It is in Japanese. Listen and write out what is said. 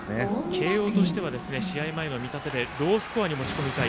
慶応としては試合前の見立てでロースコアに持ち込みたい。